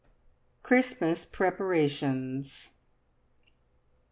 CHRISTMAS PREPARATIONS.